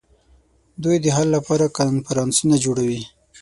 دوی د حل لپاره کنفرانسونه جوړوي